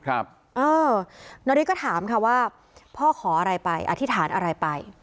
นาริสก็ถามค่ะว่าพ่อขออะไรไปอธิษฐานอะไรไป